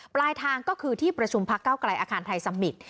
ปลายทางก็คือที่ประชุมพักเก้าไกลอาคารไทยสมิตร